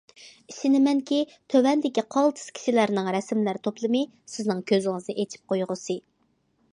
ئىشىنىمەنكى تۆۋەندىكى قالتىس كىشىلەرنىڭ رەسىملەر توپلىمى، سىزنىڭ كۆزىڭىزنى ئېچىپ قويغۇسى.